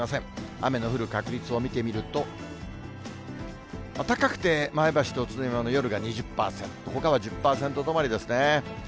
雨の降る確率を見てみると、高くて前橋と宇都宮の夜が２０％、ほかは１０％止まりですね。